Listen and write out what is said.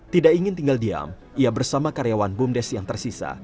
tidak ingin tinggal diam ia bersama karyawan bumdes yang tersisa